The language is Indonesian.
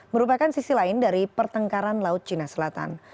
merupakan sisi lain dari pertengkaran laut cina selatan